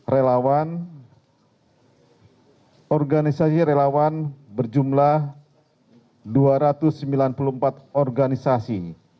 relawan organisasi relawan berjumlah dua ratus sembilan puluh empat organisasi